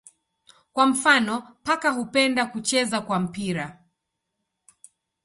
Kwa mfano paka hupenda kucheza kwa mpira.